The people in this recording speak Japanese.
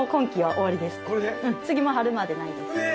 次の春までないです。